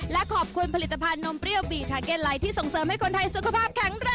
และขอบคุณผลิตภัณฑ์นมเปรี้ยวบีชาเก็ตไลท์ที่ส่งเสริมให้คนไทยสุขภาพแข็งแรง